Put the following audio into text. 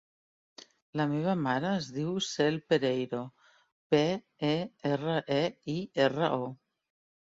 La meva mare es diu Cel Pereiro: pe, e, erra, e, i, erra, o.